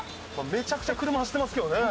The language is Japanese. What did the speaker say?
めちゃくちゃ車走ってますけどね。